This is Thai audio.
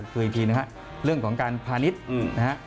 คืออีกทีนะครับเรื่องของการพาณิชย์